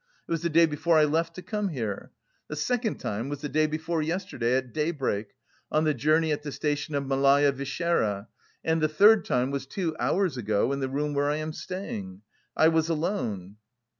It was the day before I left to come here. The second time was the day before yesterday, at daybreak, on the journey at the station of Malaya Vishera, and the third time was two hours ago in the room where I am staying. I was alone."